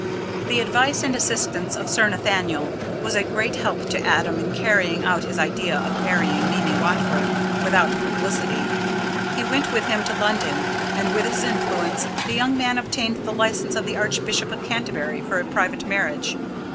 The advice and assistance of Sir Nathaniel was a great help to Adam in carrying out his idea of marrying Mimi Watford without publicity. He went with him to London, and, with his influence, the young man obtained the license of the Archbishop of Canterbury for a private marriage.